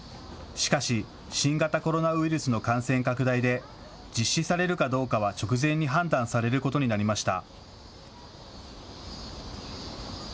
しかし、新型コロナウイルスの感染拡大で、実施されるかどうかは直前に判断されることになりました。